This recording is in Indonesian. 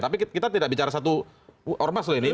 tapi kita tidak bicara satu ormas loh ini